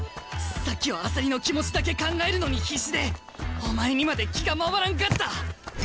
さっきは朝利の気持ちだけ考えるのに必死でお前にまで気が回らんかった！